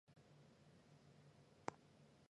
挺茎遍地金为藤黄科金丝桃属下的一个种。